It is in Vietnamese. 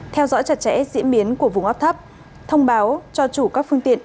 theo dõi chặt chẽ diễn biến của vùng áp thấp thông báo cho chủ các phương tiện